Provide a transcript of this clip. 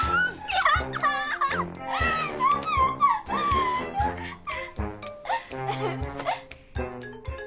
やったやった！よかった。